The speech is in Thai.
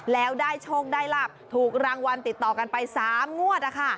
แล้วได้โชคได้หลับถูกรางวัลติดต่อกันไป๓งวด